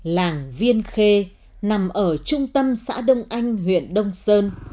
làng viên khê nằm ở trung tâm xã đông anh huyện đông sơn